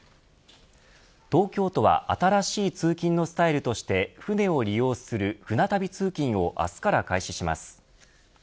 東京都は新しい通勤のスタイルとして船を利用する舟旅通勤を明日から開始します。